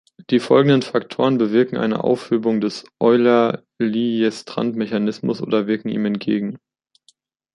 Die folgenden Faktoren bewirken eine Aufhebung des Euler-Liljestrand-Mechanismus oder wirken ihm entgegen.